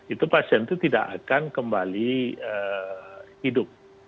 itu pasien itu tidak akan kembali hidup